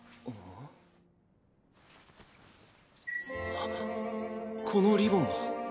あっこのリボンは。